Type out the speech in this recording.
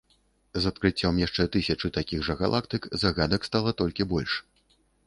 З адкрыццём яшчэ тысячы такіх жа галактык загадак стала толькі больш.